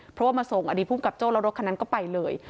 เพราะว่ามาส่งอดีตภูมิกับโจ้แล้วรถคันนั้นก็ไปเลย